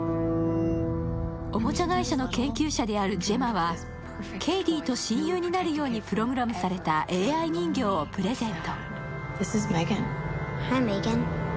おもちゃ会社の研究者であるジェマは、ケイディと親友になるようにプログラムされたＡＩ人形をプレゼント。